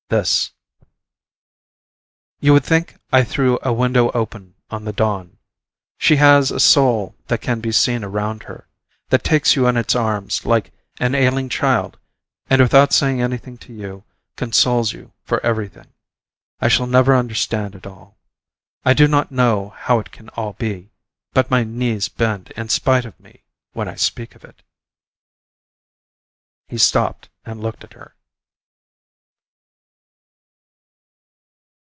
This:" You would think I threw a window open on the dawn.... She has a soul that can be seen around her that takes you in its arms like an ailing child and without saying anything to you consoles you for everything.... I shall never understand it all. I do not know how it can all be, but my knees bend in spite of me when I speak of it.... He stopped and looked at her.